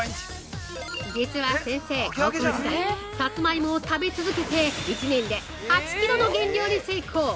実は先生、高校時代さつまいもを食べ続けて１年で８キロの減量に成功！